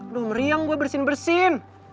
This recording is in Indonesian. aduh meriang gua bersin bersin